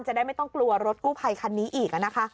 จะได้ไม่ต้องกลัวรถกู้ไพรคันนี้อีก